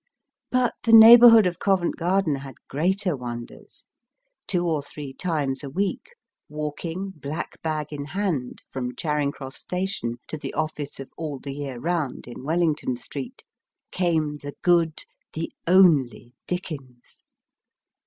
But the neighbour hood of Covent Garden had greater wonders ! Two or three times a week, walking, black bag in hand, from Charing Cross Station to the office of All the Year Round in Wellington Street, came the good, the only Dickens